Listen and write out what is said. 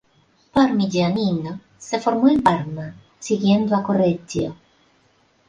Parmigianino se formó en Parma, siguiendo a Correggio.